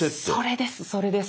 それですそれです。